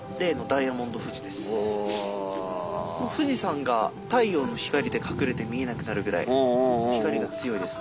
富士山が太陽の光で隠れて見えなくなるぐらい光が強いですね。